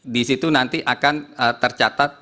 di situ nanti akan tercatat